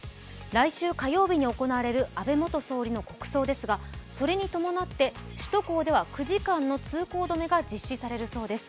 来週火曜日に行われる安倍元総理の国葬ですが、それに伴って首都高では９時間の通行止めが実施されるそうです。